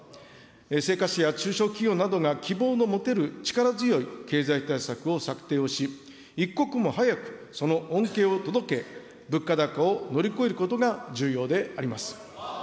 生活者や中小企業などが希望の持てる力強い経済対策を策定をし、一刻も早くその恩恵を届け、物価高を乗り越えることが重要であります。